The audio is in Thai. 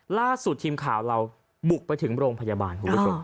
ล่าสุดทีมข่าวเราบุกไปถึงโรงพยาบาล